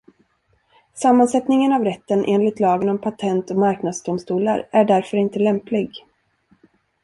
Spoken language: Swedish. Sammansättningen av rätten enligt lagen om patent- och marknadsdomstolar är därför inte lämplig.